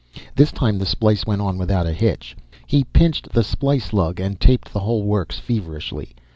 This time the splice went on without a hitch. He pinched the splice lug and taped the whole works feverishly.